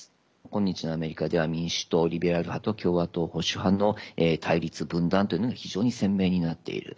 今日のアメリカでは民主党リベラル派と共和党保守派の対立、分断というのが非常に鮮明になっている。